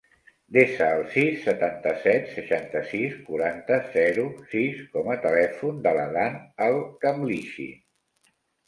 Desa el sis, setanta-set, seixanta-sis, quaranta, zero, sis com a telèfon de l'Adán El Khamlichi.